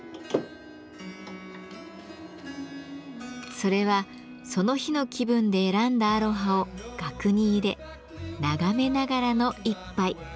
それはその日の気分で選んだアロハを額に入れ眺めながらの一杯。